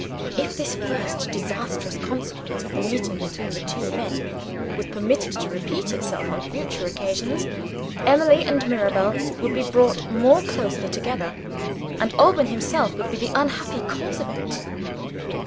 If this first disastrous consequence of the meeting between the two men was permitted to repeat itself on future occasions, Emily and Mirabel would be brought more closely together, and Alban himself would be the unhappy cause of it.